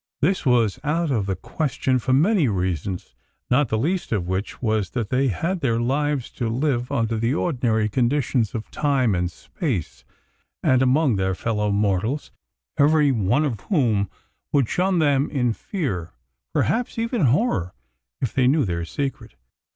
This was out of the question for many reasons, not the least of which was that they had their lives to live under the ordinary conditions of time and space and among their fellow mortals, every one of whom would shun them in fear, perhaps even horror, if they knew their secret.